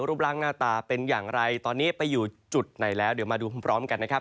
รูปร่างหน้าตาเป็นอย่างไรตอนนี้ไปอยู่จุดไหนแล้วเดี๋ยวมาดูพร้อมกันนะครับ